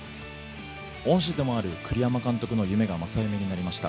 恩師でもある栗山監督の夢が正夢になりました。